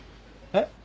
えっ